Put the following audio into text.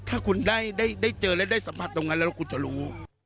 แค่คุณได้เจอแล้วได้สัมผัสตรงนั้นก็จะรู้